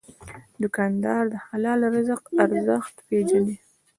دوکاندار د حلال رزق ارزښت پېژني.